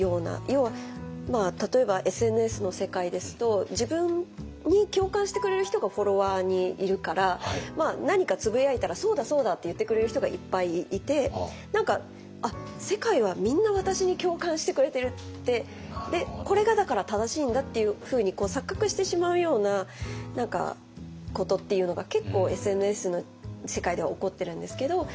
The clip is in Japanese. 要は例えばＳＮＳの世界ですと自分に共感してくれる人がフォロワーにいるから何かつぶやいたら「そうだそうだ！」って言ってくれる人がいっぱいいて何か世界はみんな私に共感してくれてるってこれがだから正しいんだっていうふうに錯覚してしまうようなことっていうのが結構ＳＮＳの世界では起こってるんですけど。